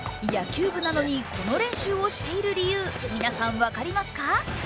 野球部なのにこの練習をしている理由、皆さん、分かりますか？